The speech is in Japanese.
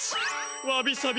わびさび